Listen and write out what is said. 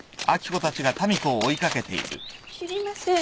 知りません。